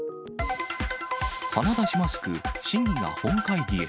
鼻出しマスク、市議が本会議へ。